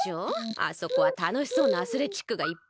あそこはたのしそうなアスレチックがいっぱいあるから。